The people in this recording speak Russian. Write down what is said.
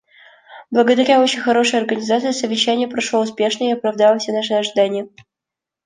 Благодаря очень хорошей организации совещание прошло успешно и оправдало все наши ожидания.